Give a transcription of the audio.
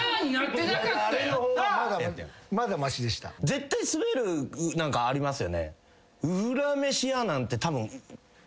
絶対スベる何かありますよね？